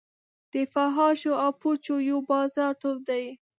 د فحاشا او پوچو یو بازار تود دی.